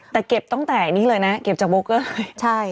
แต่เก็บตั้งแต่นี้เลยนะเก็บจากโบเกอร์ใช่